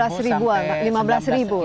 tiga belas sampai lima belas